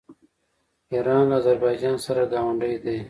ایران له اذربایجان سره ګاونډی دی.